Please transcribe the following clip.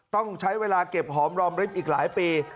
ต้องใช้เวลาเก็บหอมรอมริบอีกหลายปี